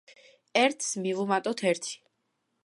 ერთს მივუმატოთ ერთი.